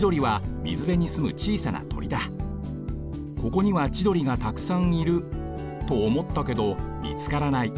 ここには千鳥がたくさんいるとおもったけどみつからない。